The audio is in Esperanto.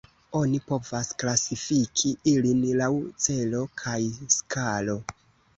Oni povas klasifiki ilin laŭ celo kaj skalo.